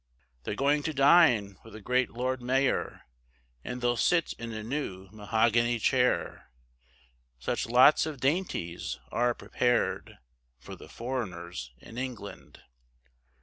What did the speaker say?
They're going to dine with a great Lord Mayor And they'll sit in a new mahogany chair, Such lots of dainties are prepared, For the foreigners in England.